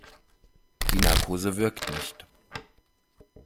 Die Narkose wirkt nicht.